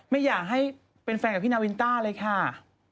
ไม่อยากให้เป็นแฟนกับพี่นาวินต้าเลยค่ะ